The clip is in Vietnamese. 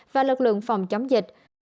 và lực lượng phòng chống dịch